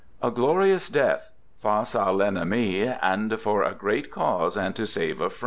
A glorious death — jface a l'ennemi and for a great cause and to save a ^friend